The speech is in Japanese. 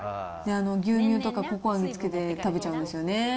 牛乳とかココアにつけて、食べちゃうんですよね。